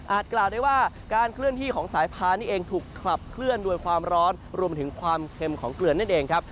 กล่าวได้ว่าการเคลื่อนที่ของสายพานี่เองถูกขลับเคลื่อนด้วยความร้อนรวมถึงความเค็มของเกลือนนั่นเองครับ